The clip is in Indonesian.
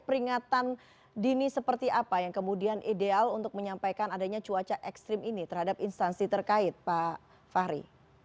peringatan dini seperti apa yang kemudian ideal untuk menyampaikan adanya cuaca ekstrim ini terhadap instansi terkait pak fahri